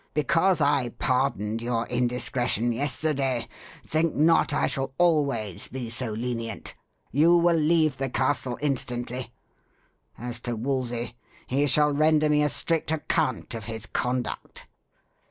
Because I pardoned your indiscretion yesterday, think not I shall always be so lenient. You will leave the castle instantly. As to Wolsey, he shall render me a strict account of his conduct."